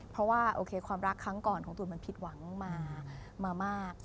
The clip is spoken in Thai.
เพราะว่าโอเคความรักครั้งก่อนของตูนมันผิดหวังมามาก